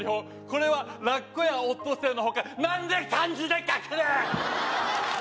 これはラッコやオットセイの捕獲何で漢字で書くねん！